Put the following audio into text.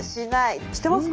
してますか？